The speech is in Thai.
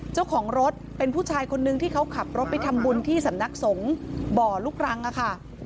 เจ้าของรถเป็นผู้ชายคนนึงที่เขาขับรถไปทำบุญที่สำนักสงฆ์บ่อลูกรังค่ะ